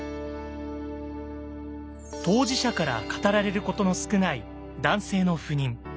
当事者から語られることの少ない「男性の不妊」。